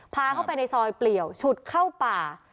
พาเข้าไปในซอยเปลี่ยวฉุดเข้าป่า